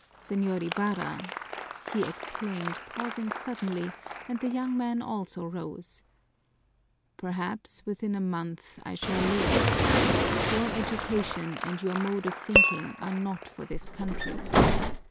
"Señor Ibarra," he exclaimed, pausing suddenly, and the young man also rose, "perhaps within a month I shall leave. Your education and your mode of thinking are not for this country.